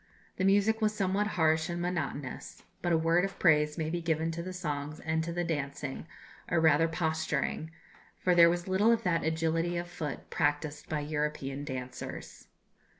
The music was somewhat harsh and monotonous; but a word of praise may be given to the songs and to the dancing, or rather posturing, for there was little of that agility of foot practised by European dancers.